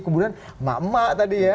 kemudian emak emak tadi ya